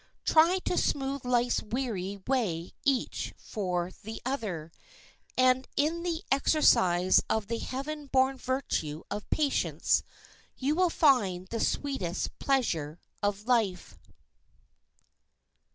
Try to smooth life's weary way each for the other, and in the exercise of the heaven born virtue of patience will you find the sweetest pleasure of life.